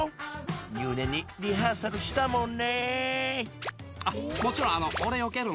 入念にリハーサルしたもんね。